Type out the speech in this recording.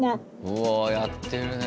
うわやってるね。